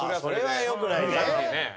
それは良くないね。